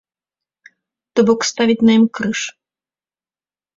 То бок, ставіць на ім крыж.